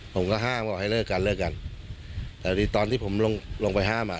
ผมก็ห้ามบอกให้เลิกกันเลิกกันแต่ตอนที่ผมลงลงไปห้ามอ่ะ